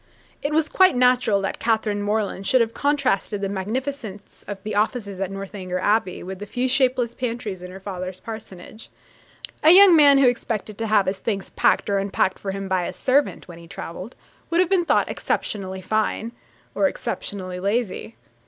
It was quite natural that Catherine Morland should have contrasted the magnificence of the offices at Northanger Abbey with the few shapeless pantries in her father's parsonage. A young man who expected to have his things packed or unpacked for him by a servant, when he travelled, would have been thought exceptionally fine, or exceptionally lazy.